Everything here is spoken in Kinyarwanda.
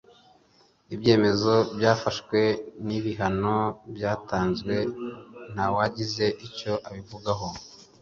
ibyemezo byafashwe n ibihano byatanzwe ntawagize icyo abivugaho